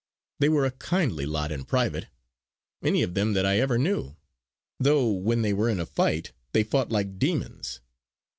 They were a kindly lot in private, any of them that I ever knew; though when they were in a fight they fought like demons.